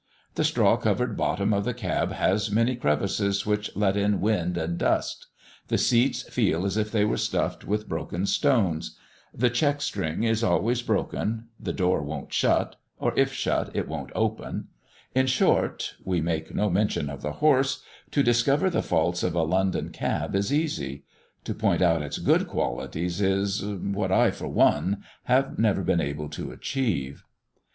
The straw covered bottom of the cab has many crevices, which let in wind and dust; the seats feel as if they were stuffed with broken stones; the check string is always broken; the door won't shut; or if shut, it won't open: in short (we make no mention of the horse), to discover the faults of a London cab is easy; to point out its good qualities is, what I for one, have never been able to achieve.